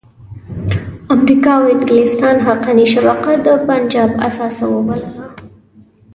امریکا او انګلستان حقاني شبکه د پنجاب اثاثه وبلله.